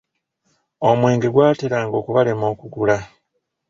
Omwenge gwateranga okubalema okugula.